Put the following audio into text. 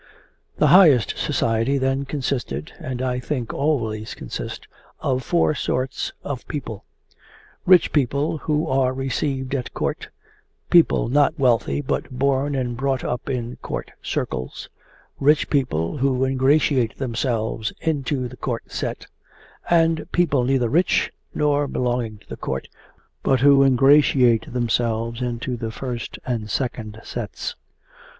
The highest society then consisted, and I think always consist, of four sorts of people: rich people who are received at Court, people not wealthy but born and brought up in Court circles, rich people who ingratiate themselves into the Court set, and people neither rich nor belonging to the Court but who ingratiate themselves into the first and second sets.